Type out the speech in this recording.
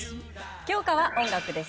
教科は音楽です。